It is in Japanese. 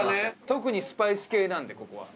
特にスパイス系なんでここは。